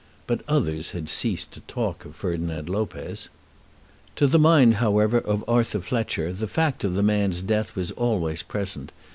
But others had ceased to talk of Ferdinand Lopez. To the mind, however, of Arthur Fletcher the fact of the man's death was always present.